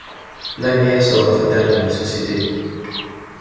La guerre sera fatale à la société.